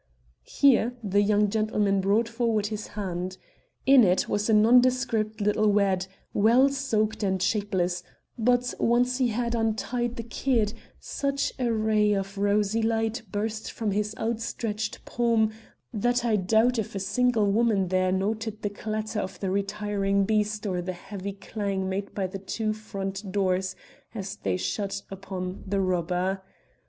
Here the young gentleman brought forward his hand. In it was a nondescript little wad, well soaked and shapeless; but, once he had untied the kid, such a ray of rosy light burst from his outstretched palm that I doubt if a single woman there noted the clatter of the retiring beast or the heavy clang made by the two front doors as they shut upon the robber.